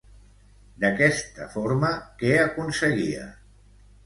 D'aquesta forma, què aconseguia?